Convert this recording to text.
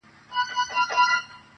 ځوان د خپلي خولگۍ دواړي شونډي قلف کړې.